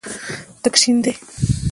تک شین دی.